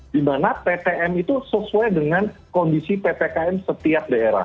dimana ptm itu sesuai dengan kondisi ppkm setiap daerah